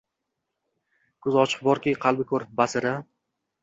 Koʼzi ochiq borki, qalbi koʼr, basir-a?!